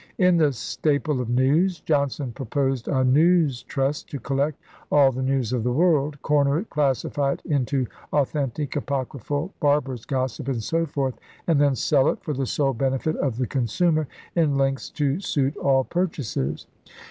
In The Staple of News Jonson proposed a News Trust to collect all the news of the world, corner it, classify it into authentic, apocryphal, barber's gossip, and so forth, and then sell it, for the sole benefit of the consumer, in lengths to suit all purchasers.